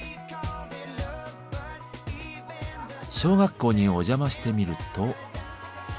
小学校にお邪魔してみると。